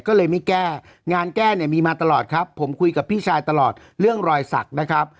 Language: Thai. ก็เลยไม่แก้งานแก้เนี่ยมีมาตลอดครับผมคุยกับพี่ชายตลอดเรื่องรอยสักนะครับ